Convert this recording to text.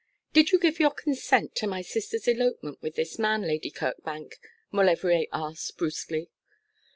'Did you give your consent to my sister's elopement with this man, Lady Kirkbank?' Maulevrier asked, brusquely.